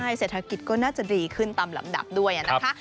ใช่เศรษฐกิจก็น่าจะดีขึ้นตามลำดับด้วยนะคะ